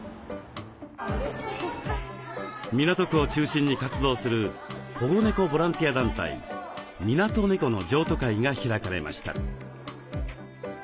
港区を中心に活動する保護猫ボランティア団体「みなとねこ」の譲渡会が開かれました。